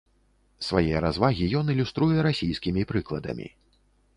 Свае развагі ён ілюструе расійскімі прыкладамі.